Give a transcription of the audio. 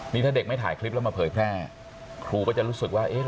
นี่ถ้าเด็กไม่ถ่ายคลิปแล้วมาเผยแพร่ครูก็จะรู้สึกว่าเอ๊ะ